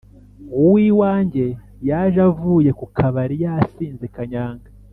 uw’iwange, yaje avuye mu kabari yasinze kanyanga